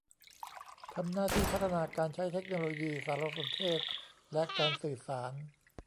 ทำหน้าที่พัฒนาการใช้เทคโนโลยีสารสนเทศและการสื่อสาร